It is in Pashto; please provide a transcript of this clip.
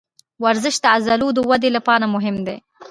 ورزش د عضلو د ودې لپاره مهم دی.